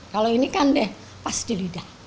kalau ini kan deh pas di lidah